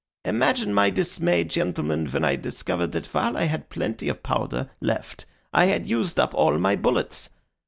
Imagine my dismay, gentlemen, when I discovered that while I had plenty of powder left I had used up all my bullets.